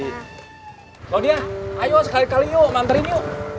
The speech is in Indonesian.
claudia ayo sekali kali yuk mandarin yuk